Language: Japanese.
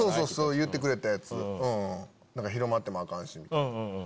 言ってくれたやつ「広まってもアカンし」みたいな。